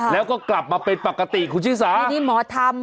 แล้วก็กลับมาเป็นปกติคุณชิสาอันนี้หมอทำ